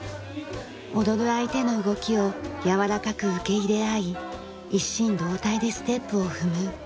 踊る相手の動きを柔らかく受け入れ合い一心同体でステップを踏む。